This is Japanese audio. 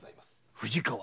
藤川。